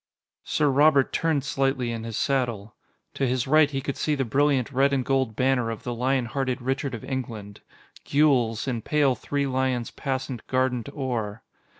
Sir Robert turned slightly in his saddle. To his right, he could see the brilliant red and gold banner of the lion hearted Richard of England gules, in pale three lions passant guardant or.